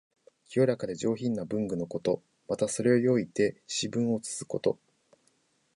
清らかで上品な文具のこと。また、それを用いて詩文を写すこと。